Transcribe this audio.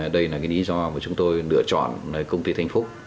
đây là cái lý do mà chúng tôi lựa chọn công ty thanh phúc